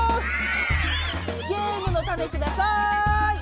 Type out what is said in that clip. ゲームのタネください。